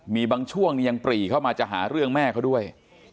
มีบางช่วงยังปรีเข้ามาจะหาเรื่องแม่เขาด้วย